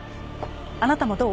あなたもどう？